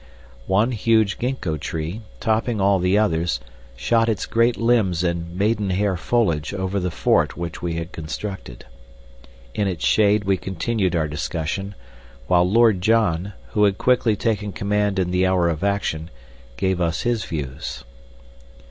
One huge gingko tree, topping all the others, shot its great limbs and maidenhair foliage over the fort which we had constructed. In its shade we continued our discussion, while Lord John, who had quickly taken command in the hour of action, gave us his views.